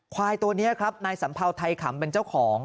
ควายตัวนี้ครับนายสัมเภาไทยขำเป็นเจ้าของ